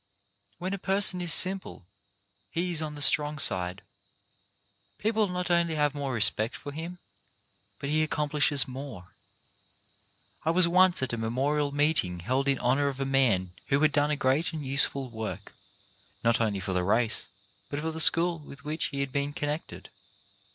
When a person is simple, he is on the strong side. People not only have more respect for him, but he accomplishes more. I was once at a memorial meeting held in honour of a man who had done a great and useful work, not only for the race but for the school with which he had been connected.